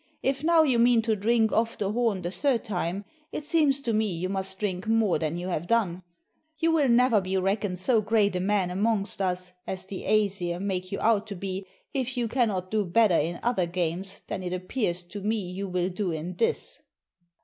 If now you mean to drink off the horn the third time it seems to me you must drink more than you have done. You will never be reckoned so great a man amongst us as the Æsir make you out to be if you cannot do better in other games than it appears to me you will do in this."